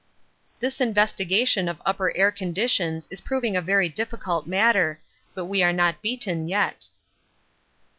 This investigation of upper air conditions is proving a very difficult matter, but we are not beaten yet.